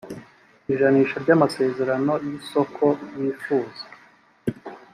ijanisha ry amasezerano y isoko bifuza